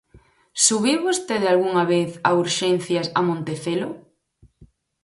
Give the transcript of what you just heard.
¿Subiu vostede algunha vez a Urxencias a Montecelo?